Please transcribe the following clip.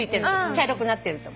茶色くなってると。